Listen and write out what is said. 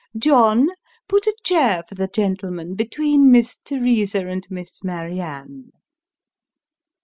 John, put a chair for the gentleman between Miss Teresa and Miss Marianne."